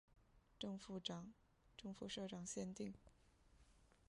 正副社长限定